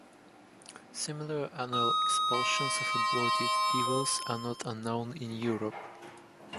Similar annual expulsions of embodied evils are not unknown in Europe.